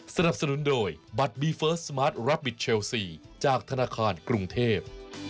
สนับสนุนโดยบัตรบีเฟิร์สสมาร์ทรับบิทเชลซีจากธนาคารกรุงเทพ